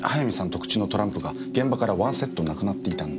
特注のトランプが現場から１セットなくなっていたんだ。